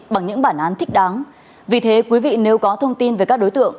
bằng những bản án thích đáng vì thế quý vị nếu có thông tin về các đối tượng